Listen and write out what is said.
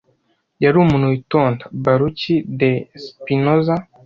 yari umuntu witonda baruki de spinoza